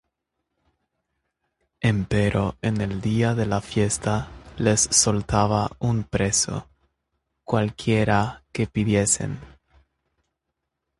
Empero en el día de la fiesta les soltaba un preso, cualquiera que pidiesen.